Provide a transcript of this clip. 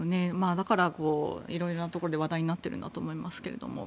だから色々なところで話題になっているんだと思いますが。